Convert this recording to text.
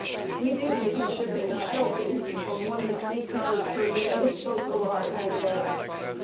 We did heavy shipping at Shelby, from one to three cars per day, both alive and dead.